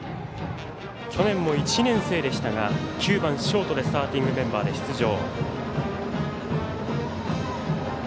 去年も１年生でしたが９番ショートでスターティングメンバーで出場。